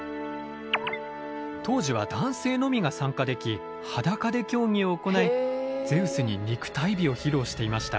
当時は男性のみが参加でき裸で競技を行いゼウスに肉体美を披露していました。